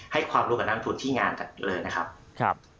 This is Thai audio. ให้ความรู้กับนักทุนที่งานเลยนะครับ